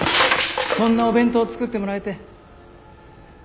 そんなお弁当作ってもらえて。